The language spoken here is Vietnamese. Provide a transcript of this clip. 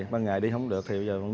bà ngài đi không được thì bà con